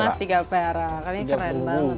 dua emas tiga pera ini keren banget loh